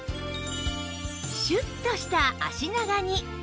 シュッとした脚長に！